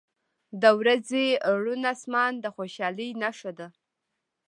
• د ورځې روڼ آسمان د خوشحالۍ نښه ده.